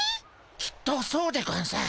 きっとそうでゴンス。